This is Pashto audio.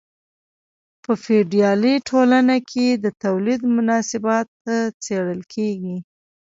په فیوډالي ټولنه کې د تولید مناسبات څیړل کیږي.